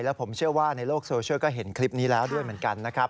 แล้วผมเชื่อว่าในโลกโซเชียลก็เห็นคลิปนี้แล้วด้วยเหมือนกันนะครับ